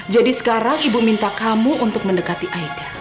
jadi sekarang ibu minta kamu untuk mendekati aida